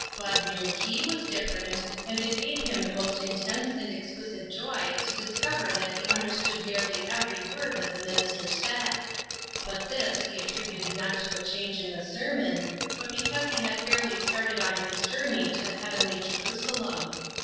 Bud knew he was different, and it gave him the most in tense and exquisite joy to discover that he understood nearly every word that the minis ter said ; but this he attributed not to a change in the sermon, but because he had fairly started on his journey to the heavenly Jerusa lem.